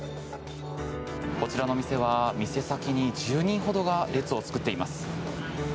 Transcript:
こちらの店は店先に１０人ほどが列を作っています。